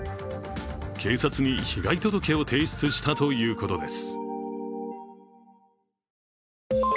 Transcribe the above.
警察に被害届を提出したということです。